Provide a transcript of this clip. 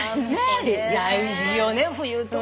大事よね冬とか。